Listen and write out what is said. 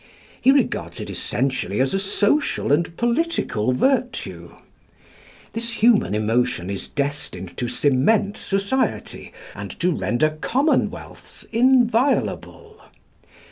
He regards it essentially as a social and political virtue. This human emotion is destined to cement society and to render commonwealths inviolable.